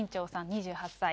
２８歳。